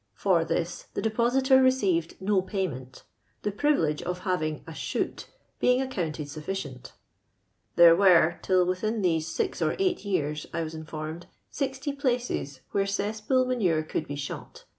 For this the depositor received no payment, tlie privilege of having " a shoot* being accounted sufficient. There were, tiU within these six or eight years, I was informed, 60 places where cess pool manure could be shot.